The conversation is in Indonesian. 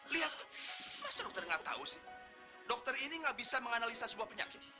lihat mas dokter nggak tahu sih dokter ini gak bisa menganalisa sebuah penyakit